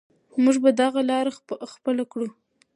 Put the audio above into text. موږ به دغه لاره خپله کړو.